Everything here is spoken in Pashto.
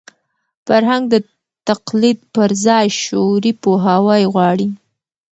فرهنګ د تقلید پر ځای شعوري پوهاوی غواړي.